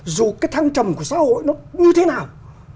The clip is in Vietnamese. dù cái thăng trầm của xã hội nó như thế nào